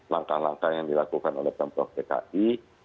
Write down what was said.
langkah langkah yang dilakukan oleh pemprov dki